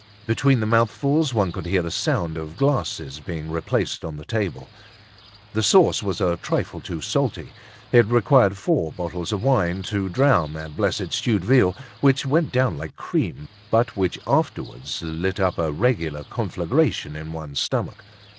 Between the mouthfuls one could hear the sound of glasses being replaced on the table. The sauce was a trifle too salty. It required four bottles of wine to drown that blessed stewed veal, which went down like cream, but which afterwards lit up a regular conflagration in one's stomach.